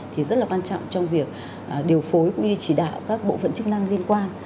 thì rất là quan trọng trong việc điều phối cũng như chỉ đạo các bộ phận chức năng liên quan